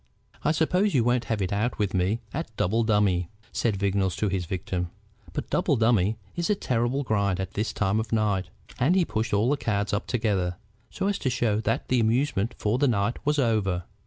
"I suppose you won't have it out with me at double dummy?" said Vignolles to his victim. "But double dummy is a terrible grind at this time of night." And he pushed all the cards up together, so as to show that the amusement for the night was over.